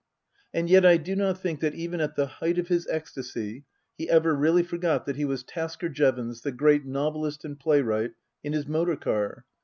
And yet I do not think that even at the height of his ecstasy he ever really forgot that he was Tasker Jevons, the great novelist and playwright, in his motor car.